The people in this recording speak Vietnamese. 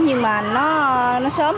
nhưng mà nó sớm